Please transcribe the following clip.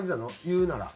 言うなら。